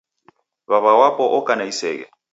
W'aw'a wapo oka na iseghe